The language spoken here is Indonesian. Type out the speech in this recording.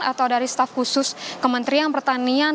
atau dari staf khusus kementerian pertanian